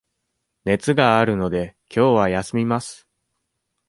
熱があるので、きょうは休みます。